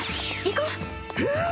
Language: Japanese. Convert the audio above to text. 行こう！